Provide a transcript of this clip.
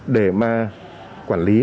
để mà quản lý